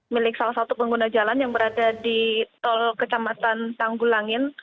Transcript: milik salah satu pengguna jalan yang berada di tol kecamatan tanggulangin